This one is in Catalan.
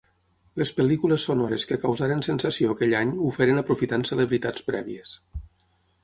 Les pel·lícules sonores que causaren sensació aquell any ho feren aprofitant celebritats prèvies.